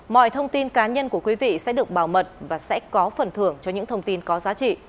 mọi thông tin cá nhân của quý vị sẽ được bảo mật và sẽ có phần thưởng